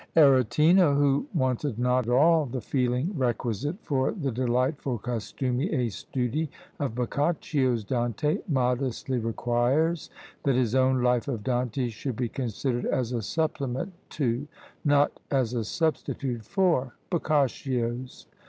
Aretino, who wanted not all the feeling requisite for the delightful "costumi e studi" of Boccaccio's Dante, modestly requires that his own life of Dante should be considered as a supplement to, not as a substitute for, Boccaccio's.